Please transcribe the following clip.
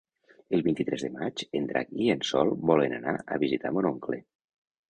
El vint-i-tres de maig en Drac i en Sol volen anar a visitar mon oncle.